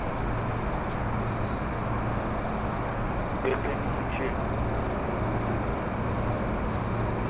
Bi te n'noung djeu?